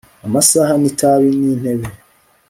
amasaha n'itapi n'intebe